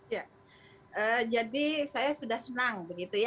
ya jadi saya sudah senang